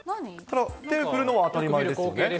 手振るのは当たり前ですよね。